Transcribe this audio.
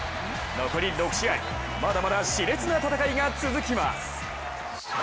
残り６試合、まだまだし烈な戦いが続きます。